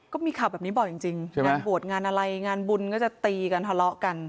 ก็มีข่าวแบบนี้บ่อยจริงงานบวชงานอะไรงานบุญก็จะตีกันทะเลาะกัน